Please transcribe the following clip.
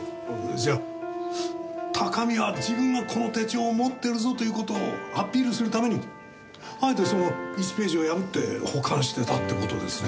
じゃあ高見は自分がこの手帳を持ってるぞという事をアピールするためにあえてその１ページを破って保管してたって事ですね。